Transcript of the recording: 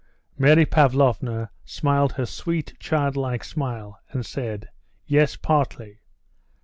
Mary Pavlovna smiled her sweet, childlike smile, and said, "Yes, partly."